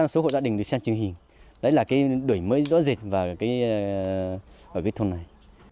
một trăm linh số hộ gia đình được xe chứng hình đấy là cái đuổi mới rõ rệt vào cái thôn này